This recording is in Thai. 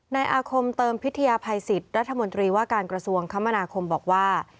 นายอาคมเติมพิทยาภัยสิทธิ์รัฐมนตรีว่าการกระทรวงคมนาคมบอกว่า